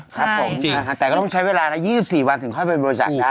ใช่แต่ก็ต้องใช้เวลานะ๒๔วันถึงค่อยไปบริจาคได้นะ